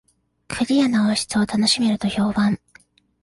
クリアな音質を楽しめると評判